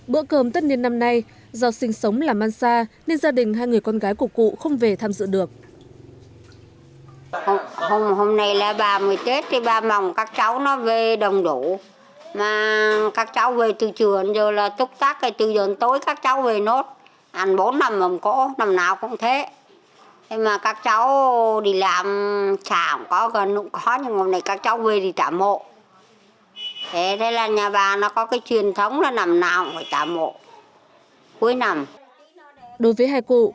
bữa cơm tất niên năm nay do sinh sống làm ăn xa nên gia đình hai người con gái của cụ không về tham dự được